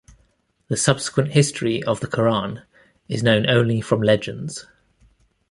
The subsequent history of the Quran is known only from legends.